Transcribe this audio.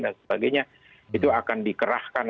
dan sebagainya itu akan dikerahkan